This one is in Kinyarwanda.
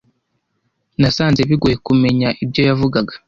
Nasanze bigoye kumenya ibyo yavugaga.